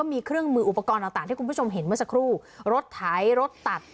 มีเครื่องมืออุปกรณ์ต่างต่างที่คุณผู้ชมเห็นเมื่อสักครู่รถไถรถตัด